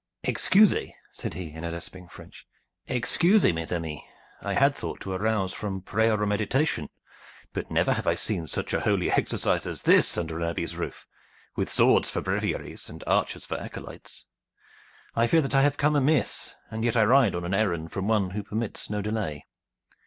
"Excusez!" said he, in a lisping French. "Excusez, mes amis! I had thought to arouse from prayer or meditation, but never have I seen such a holy exercise as this under an abbey's roof, with swords for breviaries and archers for acolytes. I fear that I have come amiss, and yet I ride on an errand from one who permits no delay."